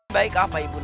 baik apa ibu